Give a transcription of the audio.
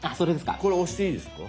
これ押していいですか？